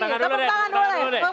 tepuk tangan dulu deh